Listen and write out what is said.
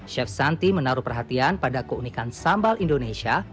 chef santi menaruh perhatian pada keunikan sambal indonesia